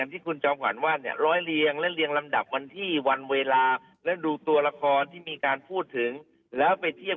ผมจะหยุดช่วงมาเลยว่าพูดอย่างนี้